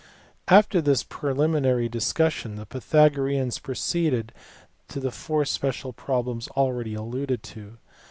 After this preliminary discussion the Pythagoreans pro ceeded to the four special problems already alluded to.